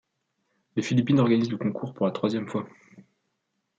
Les Philippines organisent le concours pour la troisième fois.